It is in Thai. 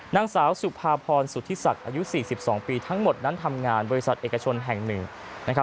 นางสาวสุภาพรสุธิศักดิ์อายุ๔๒ปีทั้งหมดนั้นทำงานบริษัทเอกชนแห่งหนึ่งนะครับ